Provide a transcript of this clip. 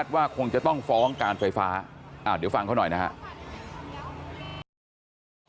สวยชีวิตทั้งคู่ก็ออกมาไม่ได้อีกเลยครับ